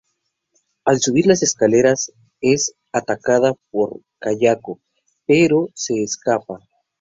Al subir las escaleras es atacada por Kayako, pero se escapa.